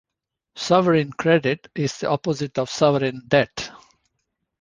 Sovereign credit is the opposite of sovereign debt.